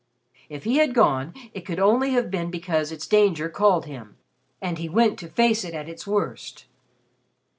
If he had gone, it could only have been because its danger called him and he went to face it at its worst.